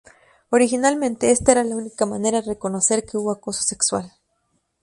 Originalmente esta era la única manera de reconocer que hubo acoso sexual.